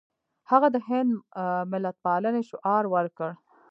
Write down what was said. هغه د هند ملتپالنې شعار ورکړ.